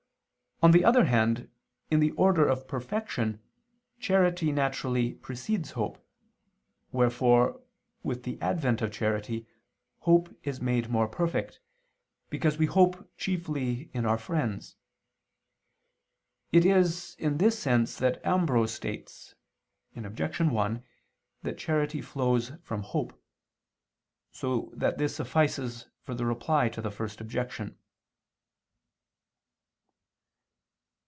On the other hand, in the order of perfection charity naturally precedes hope, wherefore, with the advent of charity, hope is made more perfect, because we hope chiefly in our friends. It is in this sense that Ambrose states (Obj. 1) that charity flows from hope: so that this suffices for the Reply to the First Objection.